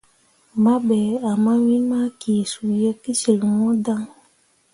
Mah be ah mawin ma kee suu ye kəsyil ŋwəə daŋ.